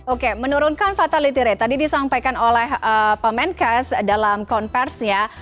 oke menurunkan fatality rate tadi disampaikan oleh pak menkes dalam konversinya